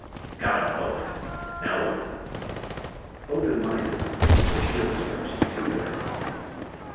Got 'em both. Now what?" "Open my door the shield switch is to the right."